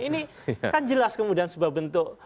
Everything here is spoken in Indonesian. ini kan jelas kemudian sebuah bentuk